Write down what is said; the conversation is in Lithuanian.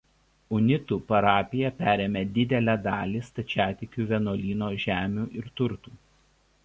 Unitų parapija perėmė didelę dalį stačiatikių vienuolyno žemių ir turtų.